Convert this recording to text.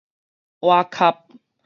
倚磕